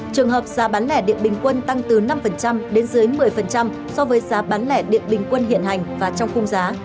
trường hợp giá bán lẻ điện bình quân tăng từ năm đến dưới một mươi so với giá bán lẻ điện bình quân hiện hành và trong khung giá